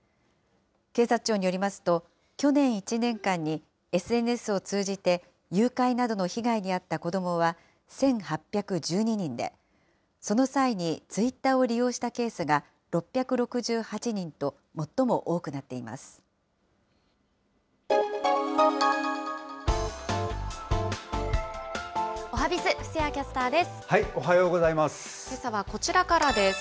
警察庁によりますと、去年１年間にＳＮＳを通じて誘拐などの被害に遭った子どもは１８１２人で、その際にツイッターを利用したケースが６６８人と最もおはＢｉｚ、おはようございます。